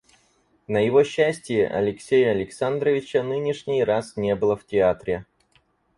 На его счастие, Алексея Александровича нынешний раз не было в театре.